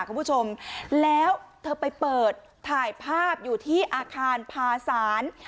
คุณผู้ชมแล้วเธอไปเปิดถ่ายภาพอยู่ที่อาคารพาศาล